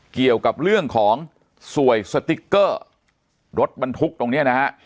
เกี่ยวกับเรื่องของสวยสติ๊กเกอร์รถบรรทุกตรงเนี้ยนะฮะ